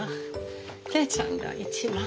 來愛ちゃんが一番。